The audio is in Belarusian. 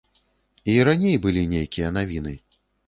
І раней былі нейкія навіны.